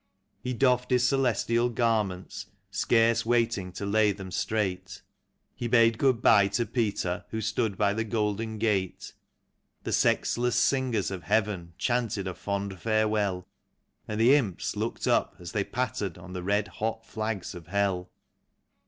He doffed his celestial garments, scarce waiting to lay them straight; He bade good bye to Peter, who stood by the golden gate; The sexless singers of heaven chanted a fond farewell, And the imps looked up as they pattered on the red hot flags of hell. THE WOMAN AND THE ANGEL.